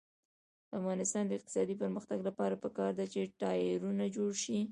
د افغانستان د اقتصادي پرمختګ لپاره پکار ده چې ټایرونه جوړ شي.